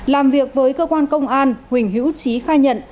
làm việc với cơ quan công an huỳnh hữu trí khai nhận